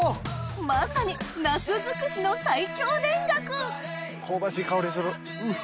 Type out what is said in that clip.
まさにナス尽くしの最強田楽香ばしい香りする。